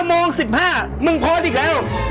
โมง๑๕มึงโพสต์อีกแล้ว